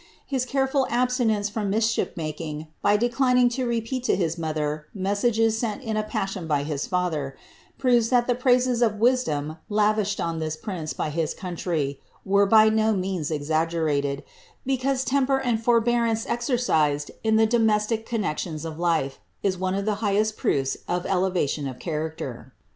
His careful abstinence from mischief making, by declining to repeat to his mother messages sent in a passion by his father, proves that the praises for wisdom lavished on this prince by his country, were by no means exaggerated, because temper and forbearance exercised in the domestic connexions of life, is one of tlie highest proofs of elevation of character.